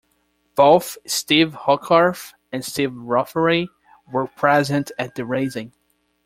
Both Steve Hogarth and Steve Rothery were present at the raising.